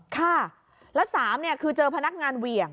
ค่ะแล้ว๓คือเจอพนักงานเหวี่ยง